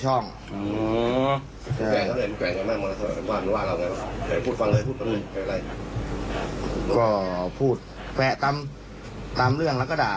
ก็พูดแปะตามเรื่องแล้วก็ด่า